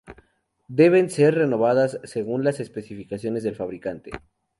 Deben ser renovadas según las especificaciones del fabricante.